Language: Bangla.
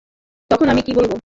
তখন আমি কী করব?